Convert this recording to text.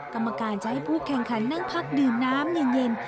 กรรมการจะให้ผู้แข่งขันนั่งพักดื่มน้ำเย็น